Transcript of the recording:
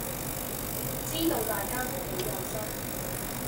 知道大家都好有心